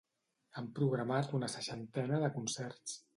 Han programat una seixantena de concerts.